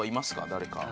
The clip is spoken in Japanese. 誰か。